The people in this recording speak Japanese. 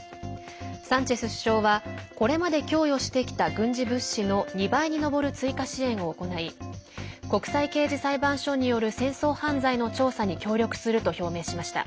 サンチェス首相はこれまで供与してきた軍事物資の２倍に上る追加支援を行い国際刑事裁判所による戦争犯罪の調査に協力すると表明しました。